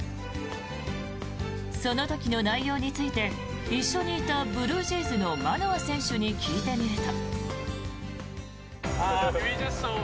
その時の内容について一緒にいたブルージェイズのマノア選手に聞いてみると。